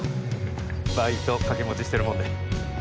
バイト掛け持ちしてるもんで。